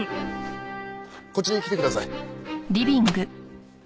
こっちに来てください。